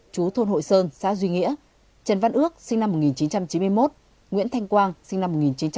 chú thôn hội sơn xã duy nghĩa trần văn ước sinh năm một nghìn chín trăm chín mươi một nguyễn thanh quang sinh năm một nghìn chín trăm tám mươi